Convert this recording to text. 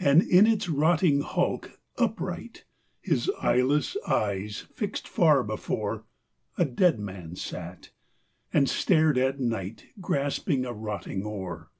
And in its rotting hulk, upright, His eyeless eyes fixed far before, A dead man sat, and stared at night, Grasping a rotting oar.